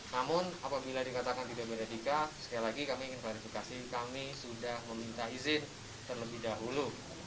namun apabila dikatakan tidak beretika sekali lagi kami ingin klarifikasi kami sudah meminta izin terlebih dahulu